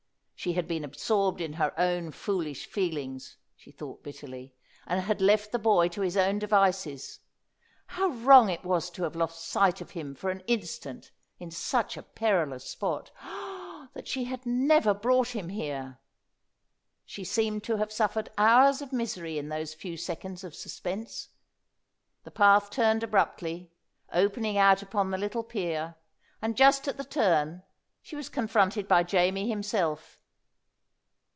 She had been absorbed in her own foolish feelings, she thought bitterly, and had left the boy to his own devices. How wrong it was to have lost sight of him for an instant in such a perilous spot! Oh that she had never brought him here! She seemed to have suffered hours of misery in those few seconds of suspense. The path turned abruptly, opening out upon the little pier, and just at the turn she was confronted by Jamie himself.